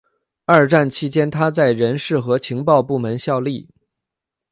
二战期间他在人事和情报部门效力。